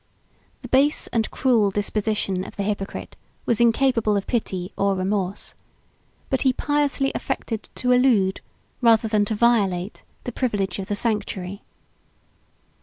The base and cruel disposition of the hypocrite was incapable of pity or remorse; but he piously affected to elude, rather than to violate, the privilege of the sanctuary.